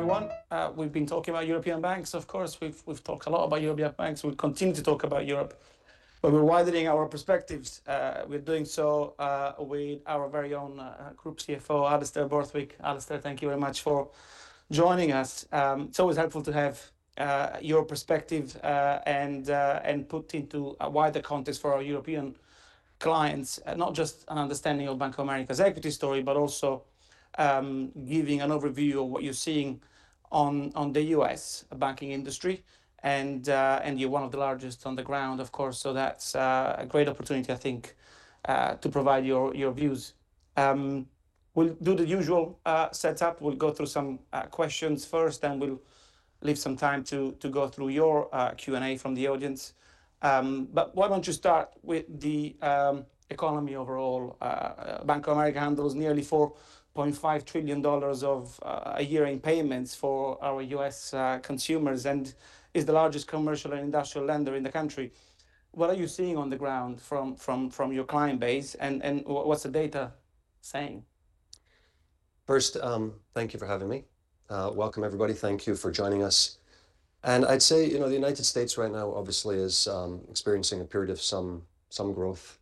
Good morning, everyone. We've been talking about European banks, of course. We've talked a lot about European banks. We'll continue to talk about Europe, but we're widening our perspectives. We're doing so with our very own Group CFO, Alastair Borthwick. Alastair, thank you very much for joining us. It's always helpful to have your perspective and put into a wider context for our European clients, not just an understanding of Bank of America's equity story, but also giving an overview of what you're seeing on the U.S. banking industry, and you're one of the largest on the ground, of course, so that's a great opportunity, I think, to provide your views. We'll do the usual setup. We'll go through some questions first, then we'll leave some time to go through your Q&A from the audience. But why don't you start with the economy overall? Bank of America handles nearly $4.5 trillion a year in payments for our U.S. consumers, and is the largest commercial and industrial lender in the country. What are you seeing on the ground from your client base, and what's the data saying? First, thank you for having me. Welcome, everybody. Thank you for joining us, and I'd say, you know, the United States right now obviously is experiencing a period of some growth.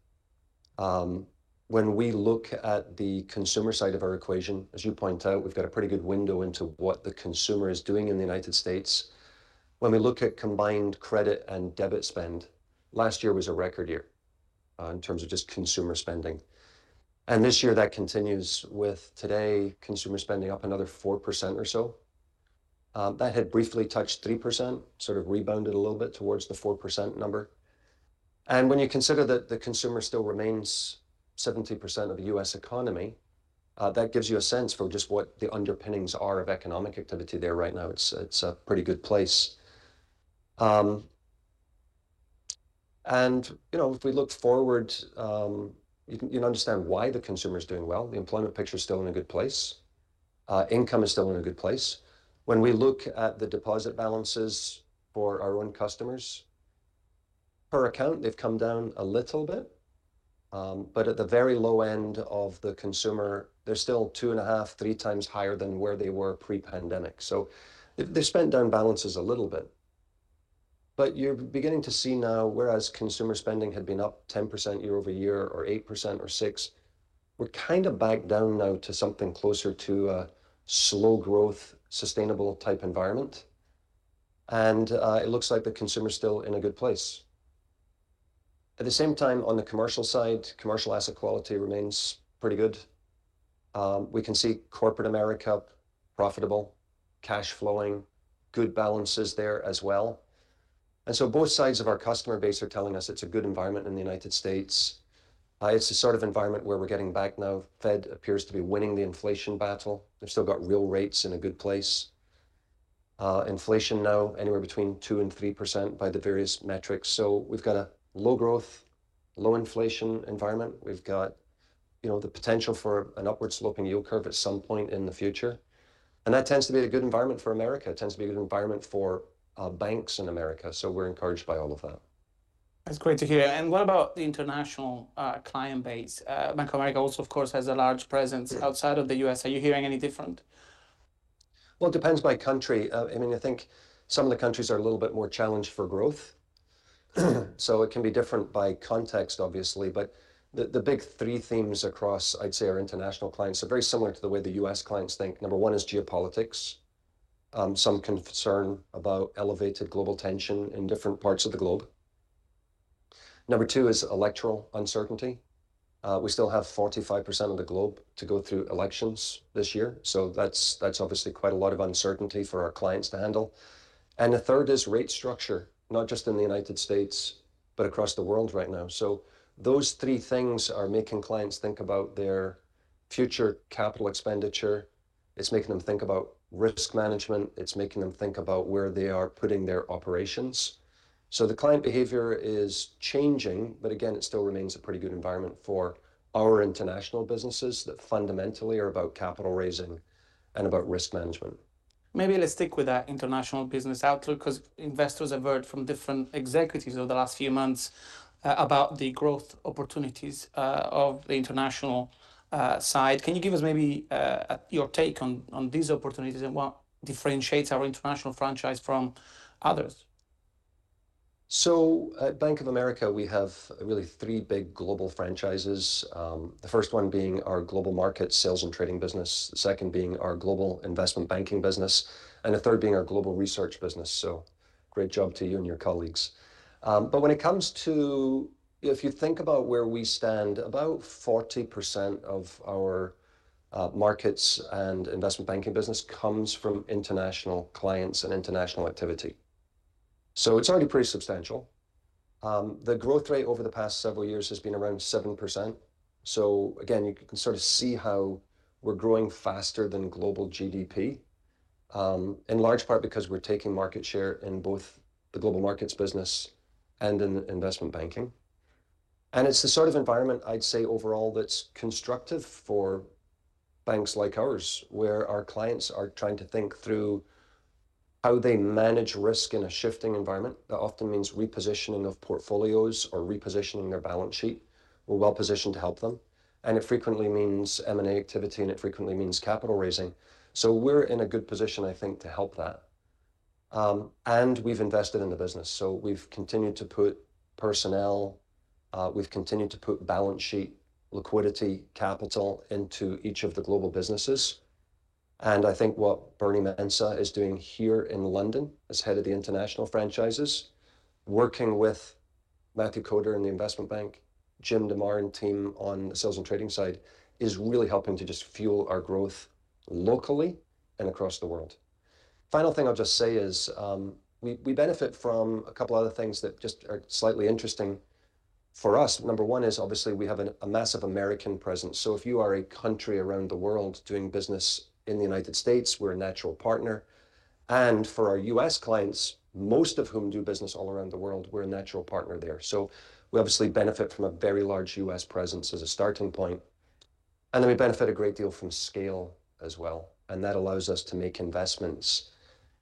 When we look at the consumer side of our equation, as you point out, we've got a pretty good window into what the consumer is doing in the United States. When we look at combined credit and debit spend, last year was a record year in terms of just consumer spending, and this year that continues with today consumer spending up another 4% or so. That had briefly touched 3%, sort of rebounded a little bit towards the 4% number, and when you consider that the consumer still remains 70% of the U.S. economy, that gives you a sense for just what the underpinnings are of economic activity there right now. It's a pretty good place. And you know, if we look forward, you can understand why the consumer is doing well. The employment picture is still in a good place. Income is still in a good place. When we look at the deposit balances for our own customers, per account, they've come down a little bit, but at the very low end of the consumer, they're still 2.5, 3x higher than where they were pre-pandemic. So they've spent down balances a little bit. But you're beginning to see now, whereas consumer spending had been up 10% year-over-year, or 8%, or 6%, we're kind of back down now to something closer to a slow growth, sustainable type environment, and it looks like the consumer's still in a good place. At the same time, on the commercial side, commercial asset quality remains pretty good. We can see Corporate America profitable, cash flowing, good balances there as well, and so both sides of our customer base are telling us it's a good environment in the United States. It's the sort of environment where we're getting back now. Fed appears to be winning the inflation battle. They've still got real rates in a good place. Inflation now anywhere between 2% and 3% by the various metrics, so we've got a low growth, low inflation environment. We've got, you know, the potential for an upward sloping yield curve at some point in the future, and that tends to be a good environment for America. It tends to be a good environment for banks in America, so we're encouraged by all of that. That's great to hear. And what about the international client base? Bank of America also, of course, has a large presence- Yeah... outside of the U.S. Are you hearing any different? It depends by country. I mean, I think some of the countries are a little bit more challenged for growth, so it can be different by context, obviously. The big three themes across, I'd say, our international clients are very similar to the way the U.S. clients think. Number one is geopolitics. Some concern about elevated global tension in different parts of the globe. Number two is electoral uncertainty. We still have 45% of the globe to go through elections this year, so that's obviously quite a lot of uncertainty for our clients to handle. The third is rate structure, not just in the United States, but across the world right now. Those three things are making clients think about their future capital expenditure. It's making them think about risk management. It's making them think about where they are putting their operations. So the client behavior is changing, but again, it still remains a pretty good environment for our international businesses that fundamentally are about capital raising and about risk management. Maybe let's stick with that international business outlook, 'cause investors have heard from different executives over the last few months, about the growth opportunities, of the international, side. Can you give us maybe, your take on these opportunities and what differentiates our international franchise from others? At Bank of America, we have really three big global franchises. The first one being our Global Markets sales and trading business, the second being our Global Investment Banking business, and the third being our Global Research business. Great job to you and your colleagues. But when it comes to... If you think about where we stand, about 40% of our Markets and Investment Banking business comes from international clients and international activity. So it's already pretty substantial. The growth rate over the past several years has been around 7%. So again, you can sort of see how we're growing faster than global GDP, in large part because we're taking market share in both the Global Markets business and in Investment Banking. And it's the sort of environment, I'd say, overall, that's constructive for banks like ours, where our clients are trying to think through how they manage risk in a shifting environment, that often means repositioning of portfolios or repositioning their balance sheet. We're well positioned to help them, and it frequently means M&A activity, and it frequently means capital raising. So we're in a good position, I think, to help that. And we've invested in the business, so we've continued to put personnel, we've continued to put balance sheet liquidity capital into each of the global businesses. And I think what Bernie Mensah is doing here in London, as Head of the International franchises, working with Matthew Koder in the investment bank, Jim DeMare and team on the sales and trading side, is really helping to just fuel our growth locally and across the world. Final thing I'll just say is, we benefit from a couple other things that just are slightly interesting for us. Number one is, obviously, we have a massive American presence. So if you are a country around the world doing business in the United States, we're a natural partner, and for our U.S. clients, most of whom do business all around the world, we're a natural partner there. So we obviously benefit from a very large U.S. presence as a starting point, and then we benefit a great deal from scale as well, and that allows us to make investments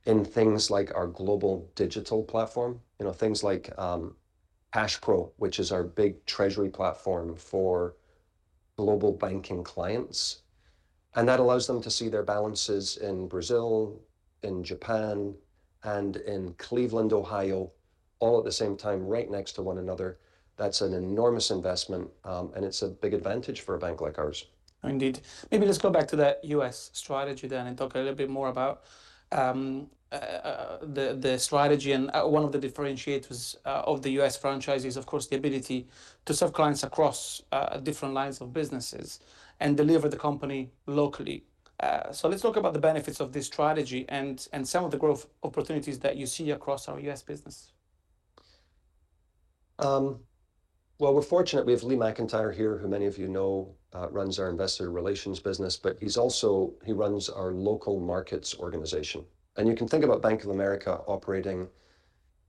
in things like our global digital platform. You know, things like, CashPro, which is our big treasury platform for global banking clients, and that allows them to see their balances in Brazil, in Japan, and in Cleveland, Ohio, all at the same time, right next to one another. That's an enormous investment, and it's a big advantage for a bank like ours. Indeed. Maybe let's go back to that U.S. strategy then, and talk a little bit more about the strategy and one of the differentiators of the U.S. franchises, of course, the ability to serve clients across different lines of businesses and deliver the company locally. So let's talk about the benefits of this strategy, and some of the growth opportunities that you see across our U.S. business. Well, we're fortunate. We have Lee McEntire here, who many of you know, runs our investor relations business, but he's also... He runs our local markets organization. And you can think about Bank of America operating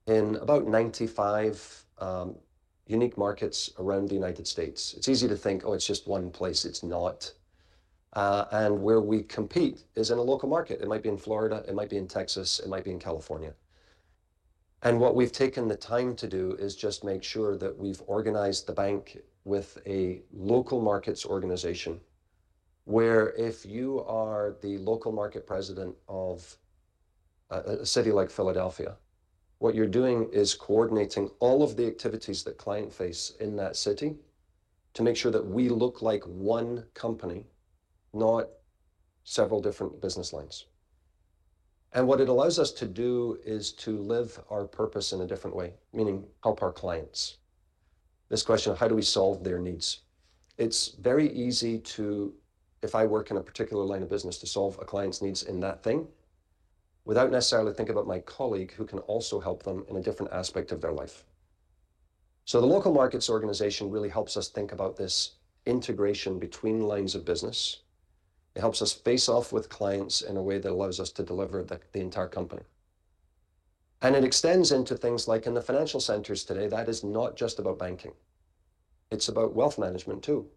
in about 95 unique markets around the United States. It's easy to think, "Oh, it's just one place." It's not. And where we compete is in a local market. It might be in Florida, it might be in Texas, it might be in California. And what we've taken the time to do is just make sure that we've organized the bank with a local markets organization, where if you are the local market president of a city like Philadelphia, what you're doing is coordinating all of the activities that client face in that city to make sure that we look like one company, not several different business lines. And what it allows us to do is to live our purpose in a different way, meaning help our clients. This question of how do we solve their needs? It's very easy to, if I work in a particular line of business, to solve a client's needs in that thing, without necessarily thinking about my colleague, who can also help them in a different aspect of their life. So the local markets organization really helps us think about this integration between lines of business. It helps us face off with clients in a way that allows us to deliver the entire company. And it extends into things like in the financial centers today, that is not just about banking, it's about Wealth Management, too.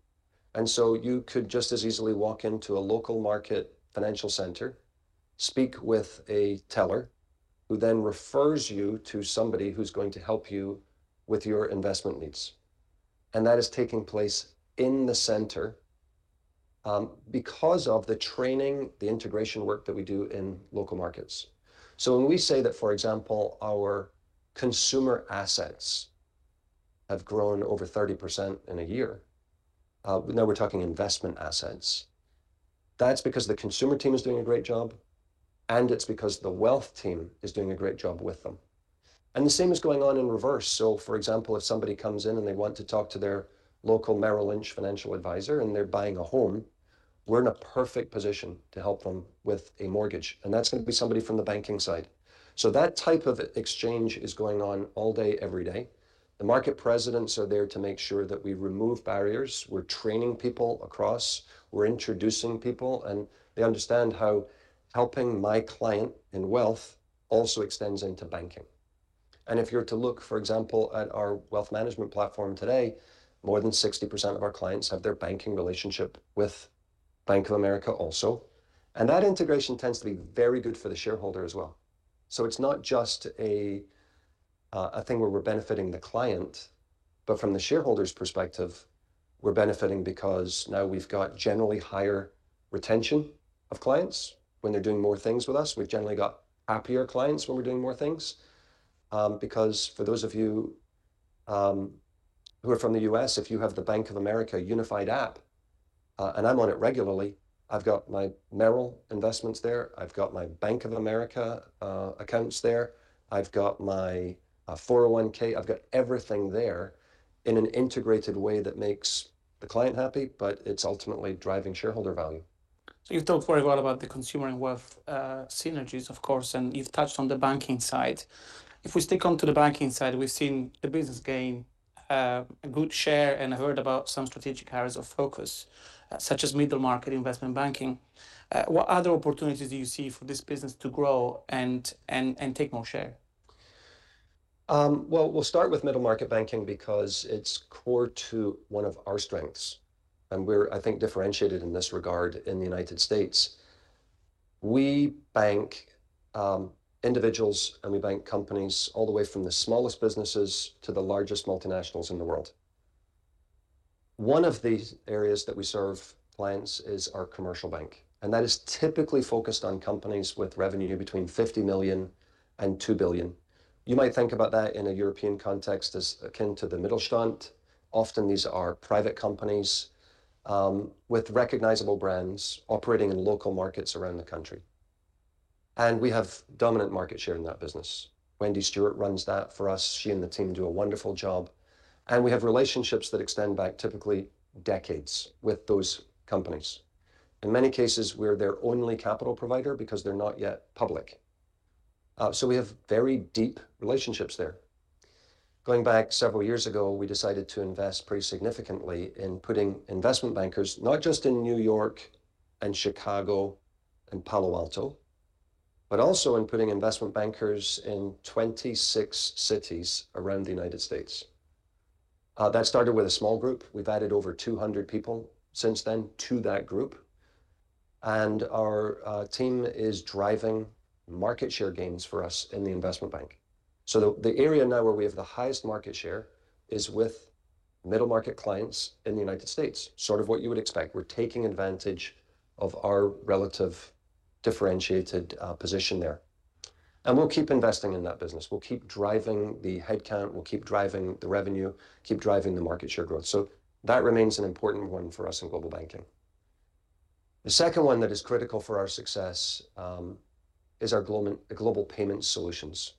And so you could just as easily walk into a local market financial center, speak with a teller, who then refers you to somebody who's going to help you with your investment needs, and that is taking place in the center, because of the training, the integration work that we do in local markets. So when we say that, for example, our consumer assets have grown over 30% in a year, now we're talking investment assets, that's because the consumer team is doing a great job, and it's because the wealth team is doing a great job with them. And the same is going on in reverse. So for example, if somebody comes in and they want to talk to their local Merrill Lynch financial advisor, and they're buying a home, we're in a perfect position to help them with a mortgage, and that's gonna be somebody from the banking side. So that type of exchange is going on all day, every day. The market presidents are there to make sure that we remove barriers. We're training people across, we're introducing people, and they understand how helping my client in wealth also extends into banking. And if you were to look, for example, at our Wealth Management platform today, more than 60% of our clients have their banking relationship with Bank of America also, and that integration tends to be very good for the shareholder as well. So it's not just a thing where we're benefiting the client, but from the shareholder's perspective, we're benefiting because now we've got generally higher retention of clients when they're doing more things with us. We've generally got happier clients when we're doing more things, because for those of you who are from the U.S., if you have the Bank of America Unified App, and I'm on it regularly, I've got my Merrill investments there. I've got my Bank of America accounts there. I've got my 401(k). I've got everything there in an integrated way that makes the client happy, but it's ultimately driving shareholder value. So you've talked very well about the consumer and wealth synergies, of course, and you've touched on the banking side. If we stick on to the banking side, we've seen the business gain a good share, and I heard about some strategic areas of focus, such as middle market investment banking. What other opportunities do you see for this business to grow and take more share?... Well, we'll start with middle-market banking because it's core to one of our strengths, and we're, I think, differentiated in this regard in the United States. We bank individuals, and we bank companies all the way from the smallest businesses to the largest multinationals in the world. One of the areas that we serve clients is our Commercial Bank, and that is typically focused on companies with revenue between 50 million and 2 billion. You might think about that in a European context as akin to the Mittelstand. Often, these are private companies with recognizable brands operating in local markets around the country, and we have dominant market share in that business. Wendy Stewart runs that for us. She and the team do a wonderful job, and we have relationships that extend back typically decades with those companies. In many cases, we're their only capital provider because they're not yet public, so we have very deep relationships there. Going back several years ago, we decided to invest pretty significantly in putting investment bankers, not just in New York and Chicago and Palo Alto, but also in putting investment bankers in 26 cities around the United States. That started with a small group. We've added over 200 people since then to that group, and our team is driving market share gains for us in the investment bank, so the area now where we have the highest market share is with middle-market clients in the United States, sort of what you would expect. We're taking advantage of our relative differentiated position there, and we'll keep investing in that business. We'll keep driving the headcount. We'll keep driving the revenue, keep driving the market-share growth, so that remains an important one for us in global banking. The second one that is critical for our success is our Global Payment Solutions.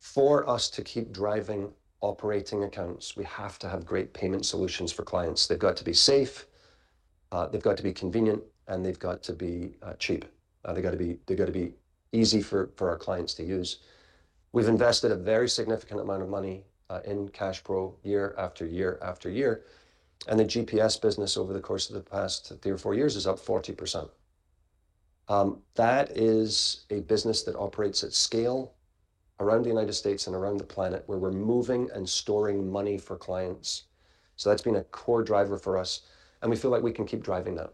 For us to keep driving operating accounts, we have to have great payment solutions for clients. They've got to be safe, they've got to be convenient, and they've got to be cheap. They've gotta be, they've gotta be easy for our clients to use. We've invested a very significant amount of money in CashPro year after year after year, and the GPS business over the course of the past three or four years is up 40%. That is a business that operates at scale around the United States and around the planet, where we're moving and storing money for clients. So that's been a core driver for us, and we feel like we can keep driving that.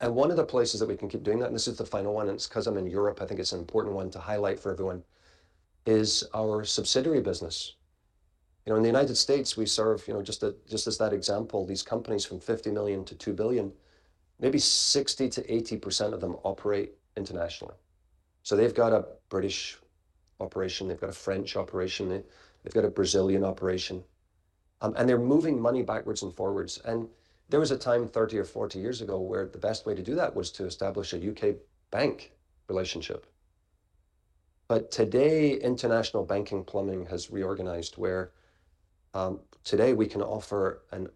And one of the places that we can keep doing that, and this is the final one, and it's 'cause I'm in Europe, I think it's an important one to highlight for everyone, is our subsidiary business. You know, in the United States, we serve, you know, just as that example, these companies from 50 million to 2 billion, maybe 60%-80% of them operate internationally. So they've got a British operation, they've got a French operation, they've got a Brazilian operation, and they're moving money backwards and forwards. And there was a time, 30 or 40 years ago, where the best way to do that was to establish a U.K. bank relationship. Today, international banking plumbing has reorganized, where today we can offer an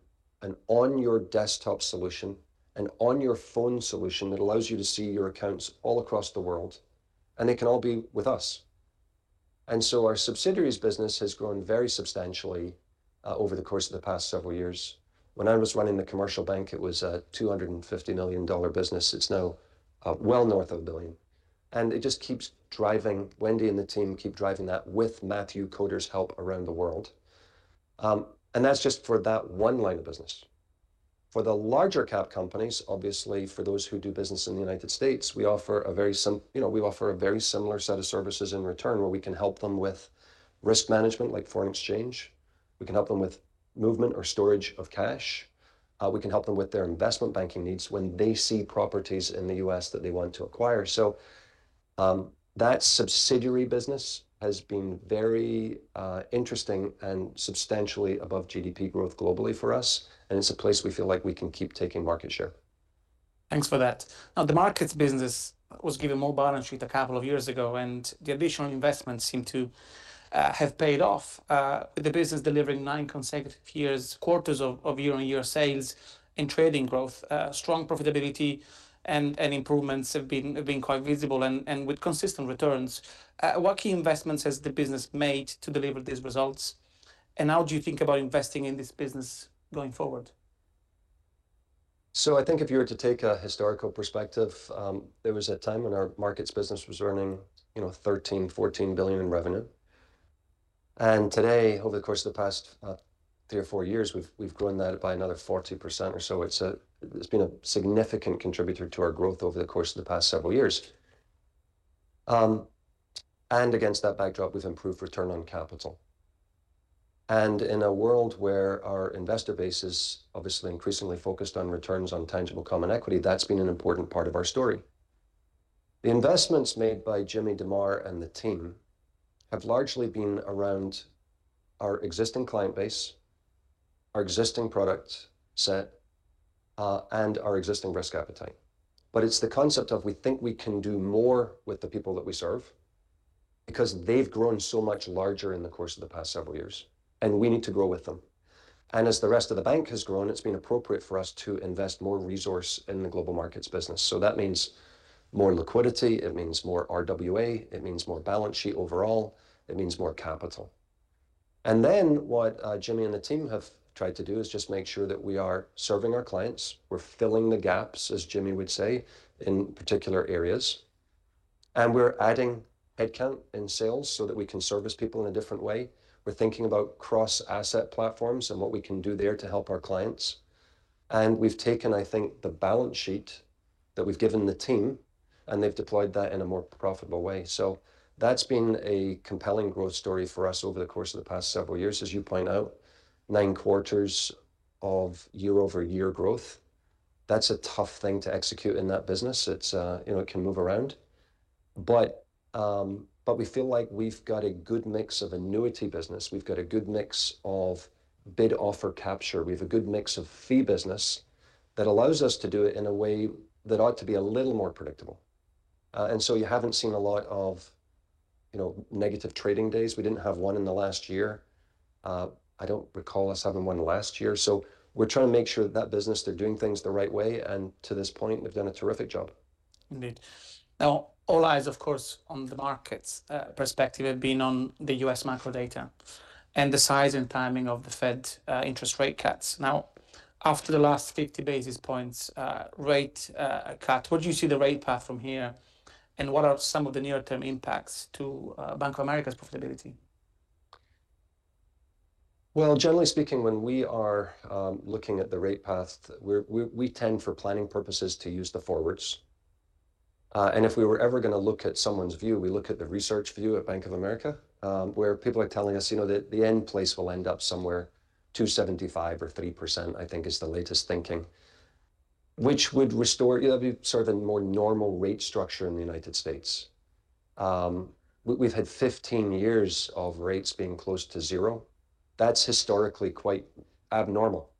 on-your-desktop solution, an on-your-phone solution that allows you to see your accounts all across the world, and it can all be with us. Our subsidiaries business has grown very substantially over the course of the past several years. When I was running the Commercial Bank, it was a $250 million business. It's now well north of $1 billion, and it just keeps driving. Wendy and the team keep driving that with Matthew Koder's help around the world. That's just for that one line of business. For the larger cap companies, obviously, for those who do business in the United States, we offer a very you know, we offer a very similar set of services in return, where we can help them with risk management, like foreign exchange. We can help them with movement or storage of cash. We can help them with their investment banking needs when they see properties in the U.S. that they want to acquire. So, that subsidiary business has been very, interesting and substantially above GDP growth globally for us, and it's a place we feel like we can keep taking market share. Thanks for that. Now, the markets business was given more balance sheet a couple of years ago, and the additional investments seem to have paid off. The business delivering nine consecutive quarters of year-on-year sales and trading growth, strong profitability and improvements have been quite visible and with consistent returns. What key investments has the business made to deliver these results, and how do you think about investing in this business going forward? So I think if you were to take a historical perspective, there was a time when our Markets business was earning, you know, $13 billion-$14 billion in revenue, and today, over the course of the past three or four years, we've grown that by another 40% or so. It's been a significant contributor to our growth over the course of the past several years. And against that backdrop, we've improved return on capital, and in a world where our investor base is obviously increasingly focused on returns on tangible common equity, that's been an important part of our story. The investments made by Jimmy DeMare and the team have largely been around our existing client base, our existing product set, and our existing risk appetite. But it's the concept of we think we can do more with the people that we serve because they've grown so much larger in the course of the past several years, and we need to grow with them. And as the rest of the bank has grown, it's been appropriate for us to invest more resource in the Global Markets business, so that means more liquidity, it means more RWA, it means more balance sheet overall, it means more capital... and then what, Jimmy and the team have tried to do is just make sure that we are serving our clients, we're filling the gaps, as Jimmy would say, in particular areas, and we're adding headcount in sales so that we can service people in a different way. We're thinking about cross-asset platforms, and what we can do there to help our clients, and we've taken, I think, the balance sheet that we've given the team, and they've deployed that in a more profitable way. So that's been a compelling growth story for us over the course of the past several years. As you point out, 9/4 of year-over-year growth, that's a tough thing to execute in that business. It's, you know, it can move around. But we feel like we've got a good mix of annuity business. We've got a good mix of bid offer capture. We've a good mix of fee business that allows us to do it in a way that ought to be a little more predictable, and so you haven't seen a lot of, you know, negative trading days. We didn't have one in the last year. I don't recall us having one last year. So we're trying to make sure that that business, they're doing things the right way, and to this point, they've done a terrific job. Indeed. Now, all eyes, of course, on the market perspective have been on the U.S. macro data, and the size and timing of the Fed interest rate cuts. Now, after the last 50 basis points rate cut, where do you see the rate path from here, and what are some of the near-term impacts to Bank of America's profitability? Generally speaking, when we are looking at the rate path, we tend, for planning purposes, to use the forwards. And if we were ever gonna look at someone's view, we look at the research view at Bank of America, where people are telling us, you know, that the end place will end up somewhere, 2.75% or 3%, I think, is the latest thinking, which would restore. It'll be sort of a more normal rate structure in the United States. We've had 15 years of rates being close to zero. That's historically quite abnormal.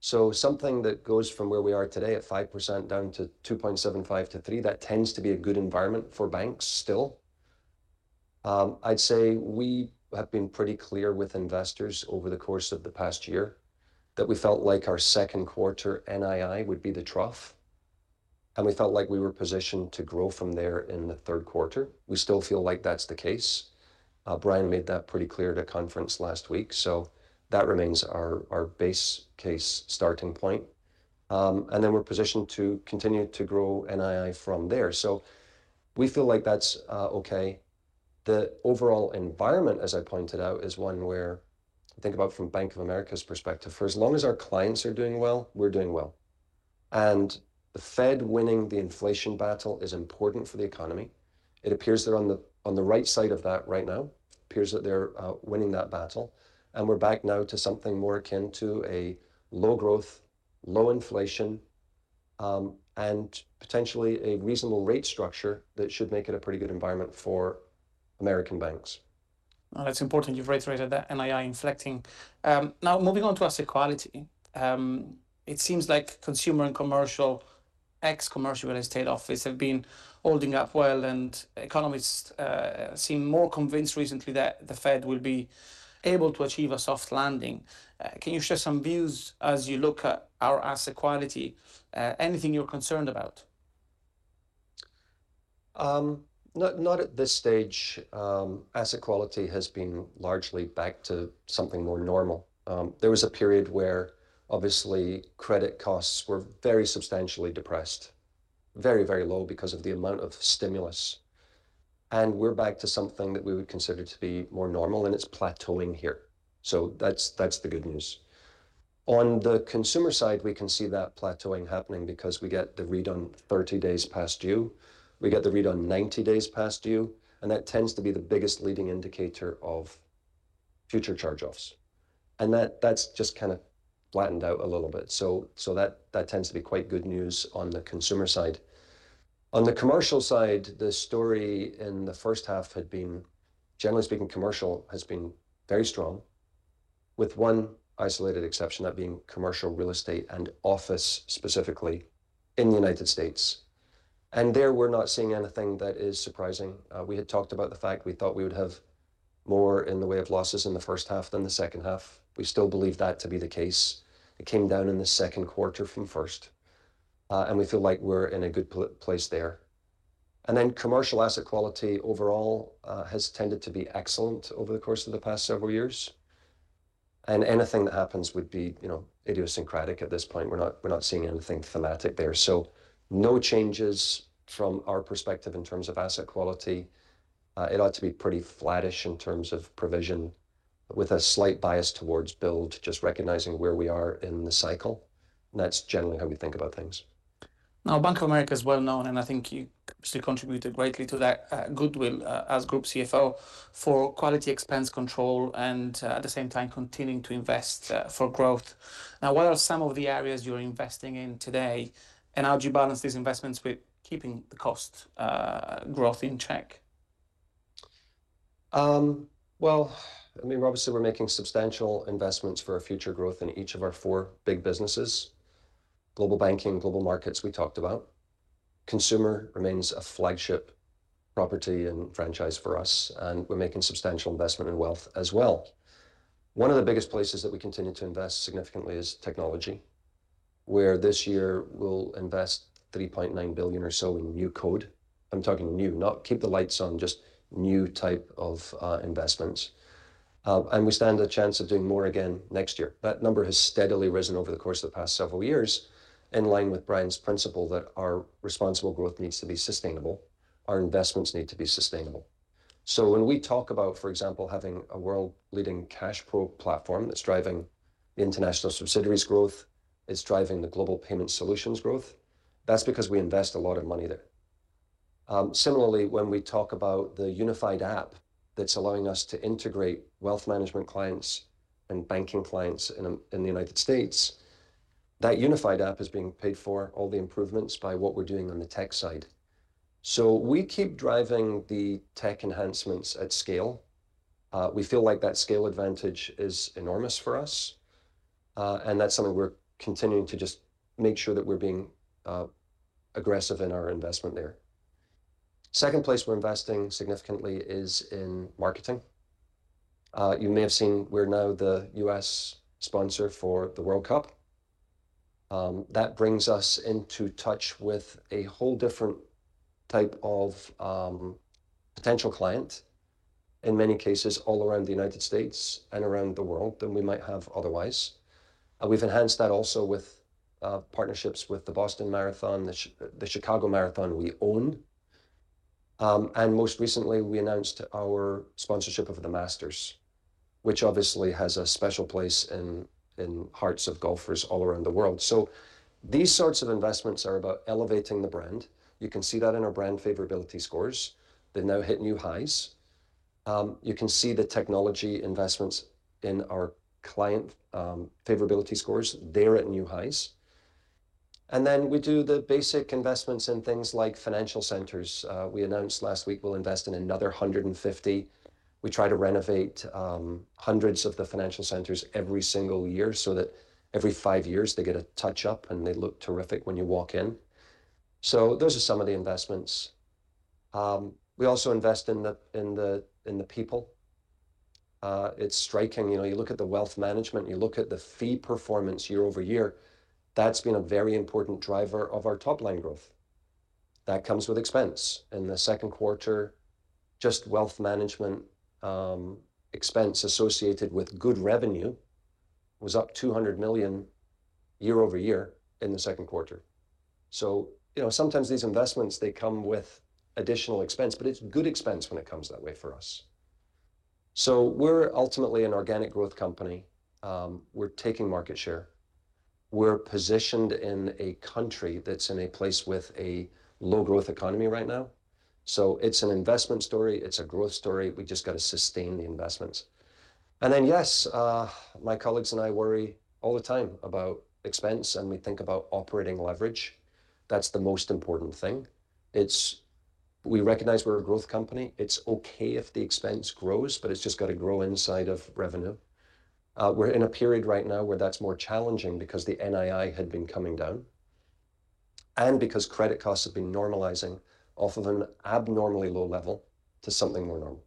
So something that goes from where we are today at 5% down to 2.75%-3%, that tends to be a good environment for banks still. I'd say we have been pretty clear with investors over the course of the past year, that we felt like our second quarter NII would be the trough, and we felt like we were positioned to grow from there in the third quarter. We still feel like that's the case. Brian made that pretty clear at a conference last week, so that remains our base case starting point, and then we're positioned to continue to grow NII from there, so we feel like that's okay. The overall environment, as I pointed out, is one where, think about from Bank of America's perspective, for as long as our clients are doing well, we're doing well, and the Fed winning the inflation battle is important for the economy. It appears they're on the right side of that right now. Appears that they're winning that battle, and we're back now to something more akin to a low growth, low inflation, and potentially a reasonable rate structure that should make it a pretty good environment for American banks. That's important you've reiterated that NII inflecting. Now moving on to asset quality, it seems like consumer and commercial, ex commercial real estate office, have been holding up well, and economists seem more convinced recently that the Fed will be able to achieve a soft landing. Can you share some views as you look at our asset quality? Anything you're concerned about? Not, not at this stage. Asset quality has been largely back to something more normal. There was a period where obviously credit costs were very substantially depressed, very, very low because of the amount of stimulus, and we're back to something that we would consider to be more normal, and it's plateauing here, so that's, that's the good news. On the consumer side, we can see that plateauing happening because we get the read on 30 days past due, we get the read on 90 days past due, and that tends to be the biggest leading indicator of future charge-offs, and that, that's just kind of flattened out a little bit, so, so that, that tends to be quite good news on the consumer side. On the commercial side, the story in the first half had been, generally speaking, commercial has been very strong, with one isolated exception, that being commercial real estate and office, specifically in the United States, and there we're not seeing anything that is surprising. We had talked about the fact we thought we would have more in the way of losses in the first half than the second half. We still believe that to be the case. It came down in the second quarter from first, and we feel like we're in a good place there. And then commercial asset quality overall has tended to be excellent over the course of the past several years, and anything that happens would be, you know, idiosyncratic at this point. We're not, we're not seeing anything thematic there. So no changes from our perspective in terms of asset quality. It ought to be pretty flattish in terms of provision, with a slight bias towards build, just recognizing where we are in the cycle. That's generally how we think about things. Now, Bank of America is well known, and I think you still contributed greatly to that, goodwill, as Group CFO for quality expense control and, at the same time, continuing to invest, for growth. Now, what are some of the areas you're investing in today, and how do you balance these investments with keeping the cost, growth in check? Well, I mean, obviously, we're making substantial investments for our future growth in each of our four big businesses. Global Banking, Global Markets, we talked about. Consumer remains a flagship property and franchise for us, and we're making substantial investment in wealth as well. One of the biggest places that we continue to invest significantly is technology, where this year we'll invest $3.9 billion or so in new code. I'm talking new, not keep the lights on, just new type of investments. And we stand a chance of doing more again next year. That number has steadily risen over the course of the past several years, in line with Brian's principle that our responsible growth needs to be sustainable, our investments need to be sustainable. So when we talk about, for example, having a world-leading CashPro platform that's driving the international subsidiaries' growth, it's driving the Global Payment Solutions growth, that's because we invest a lot of money there. Similarly, when we talk about the Unified App that's allowing us to integrate Wealth Management clients and banking clients in the United States, that Unified App is being paid for, all the improvements, by what we're doing on the tech side, so we keep driving the tech enhancements at scale. We feel like that scale advantage is enormous for us, and that's something we're continuing to just make sure that we're being aggressive in our investment there. Second place we're investing significantly is in marketing. You may have seen we're now the U.S. sponsor for the World Cup. That brings us into touch with a whole different type of potential client, in many cases, all around the United States and around the world than we might have otherwise. And we've enhanced that also with partnerships with the Boston Marathon, the Chicago Marathon we own. And most recently, we announced our sponsorship of the Masters, which obviously has a special place in hearts of golfers all around the world. So these sorts of investments are about elevating the brand. You can see that in our brand favorability scores. They've now hit new highs. You can see the technology investments in our client favorability scores. They're at new highs. And then we do the basic investments in things like financial centers. We announced last week we'll invest in another 150. We try to renovate hundreds of the financial centers every single year, so that every five years they get a touch-up, and they look terrific when you walk in. So those are some of the investments. We also invest in the people. It's striking, you know, you look at the Wealth Management, you look at the fee performance year-over-year, that's been a very important driver of our top-line growth. That comes with expense. In the second quarter, just Wealth Management, expense associated with good revenue was up $200 million year-over-year in the second quarter. So, you know, sometimes these investments, they come with additional expense, but it's good expense when it comes that way for us. So we're ultimately an organic growth company. We're taking market share. We're positioned in a country that's in a place with a low growth economy right now. So it's an investment story, it's a growth story. We've just got to sustain the investments. And then, yes, my colleagues and I worry all the time about expense, and we think about operating leverage. That's the most important thing. It's... We recognize we're a growth company. It's okay if the expense grows, but it's just got to grow inside of revenue. We're in a period right now where that's more challenging because the NII had been coming down, and because credit costs have been normalizing off of an abnormally low level to something more normal.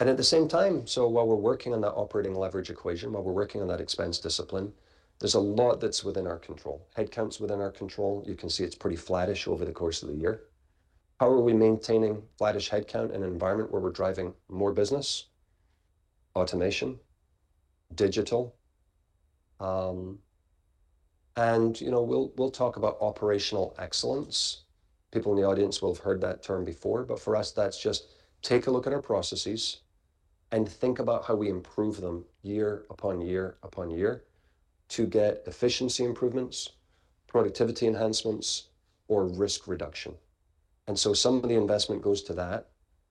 And at the same time, so while we're working on that operating leverage equation, while we're working on that expense discipline, there's a lot that's within our control. Headcount's within our control. You can see it's pretty flattish over the course of the year. How are we maintaining flattish headcount in an environment where we're driving more business? Automation, digital, and, you know, we'll talk about operational excellence. People in the audience will have heard that term before, but for us, that's just take a look at our processes and think about how we improve them year upon year upon year to get efficiency improvements, productivity enhancements, or risk reduction. And so some of the investment goes to that.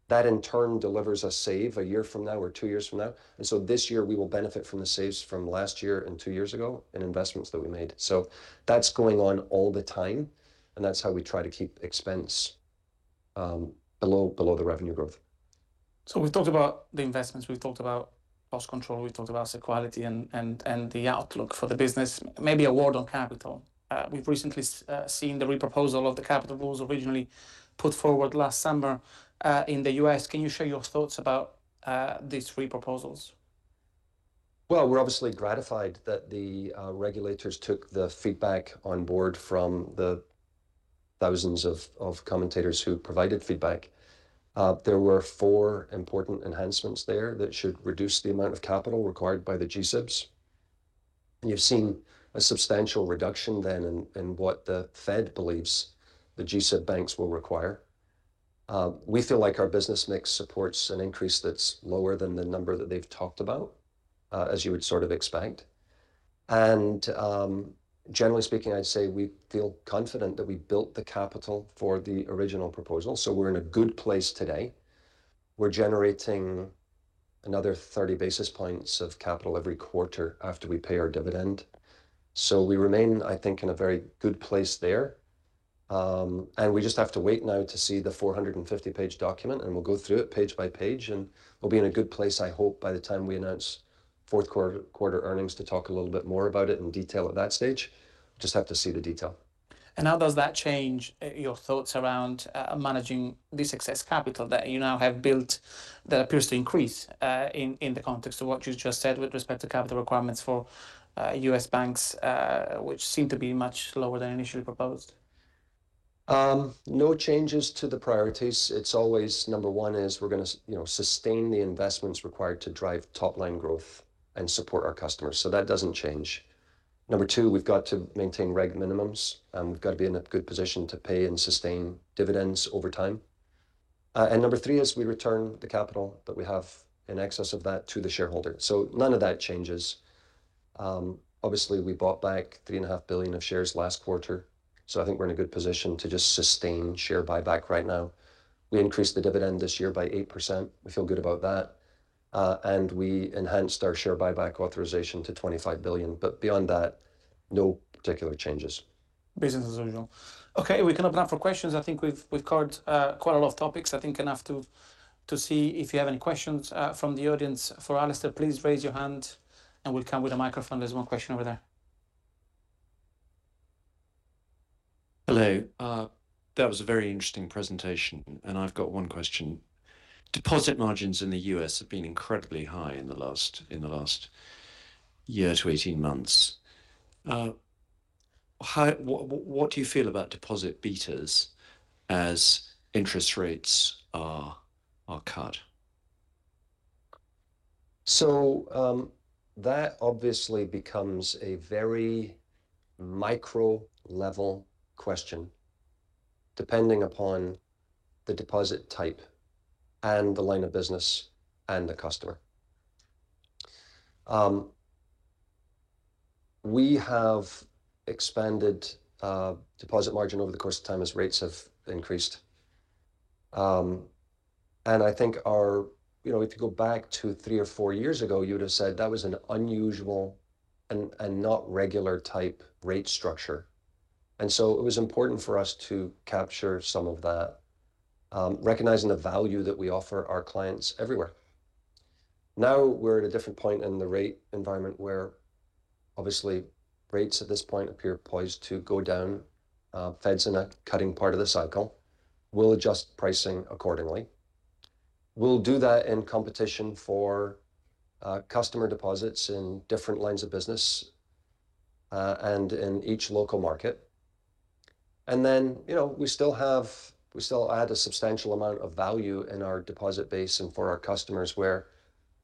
That, in turn, delivers a save a year from now or two years from now, and so this year we will benefit from the saves from last year and two years ago in investments that we made. So that's going on all the time, and that's how we try to keep expense below the revenue growth. So we've talked about the investments, we've talked about cost control, we've talked about security and the outlook for the business. Maybe a word on capital. We've recently seen the re-proposal of the capital rules originally put forward last summer in the U.S. Can you share your thoughts about these re-proposals? We're obviously gratified that the regulators took the feedback on board from the thousands of commentators who provided feedback. There were four important enhancements there that should reduce the amount of capital required by the G-SIBs. You've seen a substantial reduction then in what the Fed believes the G-SIB banks will require. We feel like our business mix supports an increase that's lower than the number that they've talked about, as you would sort of expect. Generally speaking, I'd say we feel confident that we built the capital for the original proposal, so we're in a good place today. We're generating another 30 basis points of capital every quarter after we pay our dividend. We remain, I think, in a very good place there. And we just have to wait now to see the 450-page document, and we'll go through it page by page, and we'll be in a good place, I hope, by the time we announce fourth quarter, quarter earnings, to talk a little bit more about it in detail at that stage. Just have to see the detail.... And how does that change your thoughts around managing the success capital that you now have built, that appears to increase, in the context of what you just said with respect to capital requirements for U.S. banks, which seem to be much lower than initially proposed? No changes to the priorities. It's always, number one is we're gonna you know, sustain the investments required to drive top-line growth and support our customers. So that doesn't change. Number two, we've got to maintain reg minimums, and we've got to be in a good position to pay and sustain dividends over time, and number three is we return the capital that we have in excess of that to the shareholder. So none of that changes. Obviously, we bought back 3.5 billion shares last quarter, so I think we're in a good position to just sustain share buyback right now. We increased the dividend this year by 8%. We feel good about that, and we enhanced our share buyback authorization to 25 billion, but beyond that, no particular changes. Business as usual. Okay, we can open up for questions. I think we've covered quite a lot of topics. I think enough to see if you have any questions from the audience. For Alastair, please raise your hand, and we'll come with a microphone. There's one question over there. Hello. That was a very interesting presentation, and I've got one question. Deposit margins in the U.S. have been incredibly high in the last year to 18 months. What do you feel about deposit betas as interest rates are cut? That obviously becomes a very micro-level question, depending upon the deposit type and the line of business and the customer. We have expanded deposit margin over the course of time as rates have increased. And I think. You know, if you go back to three or four years ago, you would've said that was an unusual and not regular type rate structure. And so it was important for us to capture some of that, recognizing the value that we offer our clients everywhere. Now, we're at a different point in the rate environment, where obviously, rates at this point appear poised to go down. Fed's in a cutting part of the cycle. We'll adjust pricing accordingly. We'll do that in competition for customer deposits in different lines of business and in each local market. And then, you know, we still have, we still add a substantial amount of value in our deposit base and for our customers, where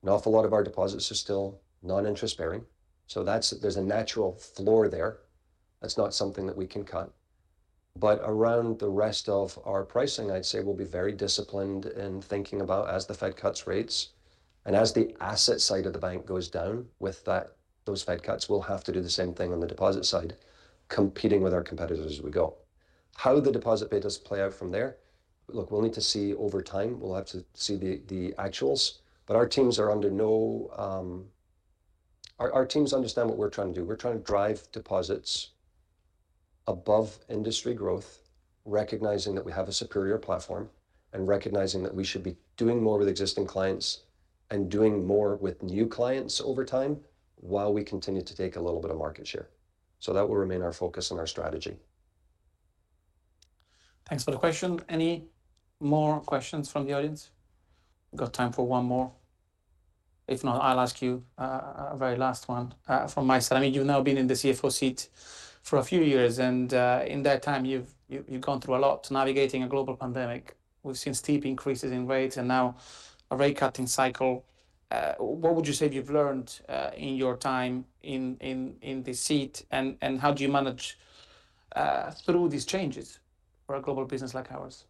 an awful lot of our deposits are still non-interest bearing. So that's, there's a natural floor there. That's not something that we can cut. But around the rest of our pricing, I'd say we'll be very disciplined in thinking about as the Fed cuts rates. And as the asset side of the bank goes down with that, those Fed cuts will have to do the same thing on the deposit side, competing with our competitors as we go. How the deposit betas play out from there, look, we'll need to see over time. We'll have to see the actuals. But our teams are under no... Our teams understand what we're trying to do. We're trying to drive deposits above industry growth, recognizing that we have a superior platform, and recognizing that we should be doing more with existing clients and doing more with new clients over time, while we continue to take a little bit of market share. So that will remain our focus and our strategy. Thanks for the question. Any more questions from the audience? Got time for one more. If not, I'll ask you a very last one from my side. I mean, you've now been in the CFO seat for a few years, and in that time you've gone through a lot, navigating a global pandemic. We've seen steep increases in rates and now a rate cutting cycle. What would you say you've learned in your time in this seat, and how do you manage through these changes for a global business like ours?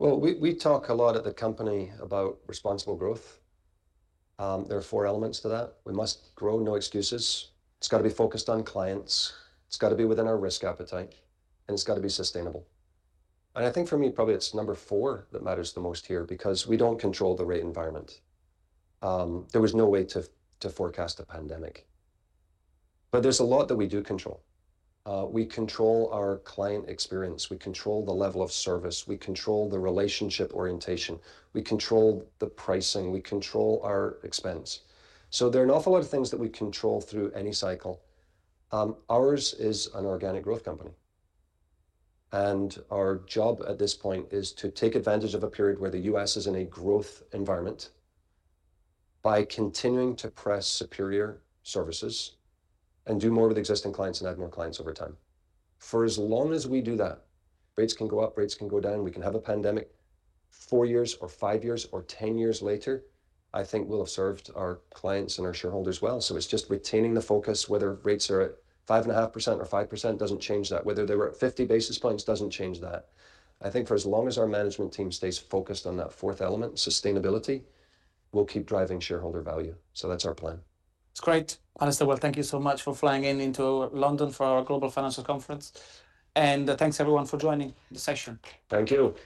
We talk a lot at the company about responsible growth. There are four elements to that. We must grow, no excuses. It's got to be focused on clients, it's got to be within our risk appetite, and it's got to be sustainable. I think for me, probably it's number four that matters the most here, because we don't control the rate environment. There was no way to forecast a pandemic. There's a lot that we do control. We control our client experience, we control the level of service, we control the relationship orientation, we control the pricing, we control our expense. There are an awful lot of things that we control through any cycle. Ours is an organic growth company, and our job at this point is to take advantage of a period where the U.S. is in a growth environment by continuing to press superior services and do more with existing clients and add more clients over time. For as long as we do that, rates can go up, rates can go down, we can have a pandemic. Four years or five years or 10 years later, I think we'll have served our clients and our shareholders well. So it's just retaining the focus, whether rates are at 5.5% or 5%, doesn't change that. Whether they were at 50 basis points, doesn't change that. I think for as long as our management team stays focused on that fourth element, sustainability, we'll keep driving shareholder value. So that's our plan. It's great, Alastair. Thank you so much for flying in into London for our global financial conference. Thanks everyone for joining the session. Thank you.